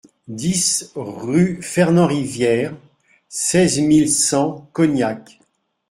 dix rue Fernand Rivière, seize mille cent Cognac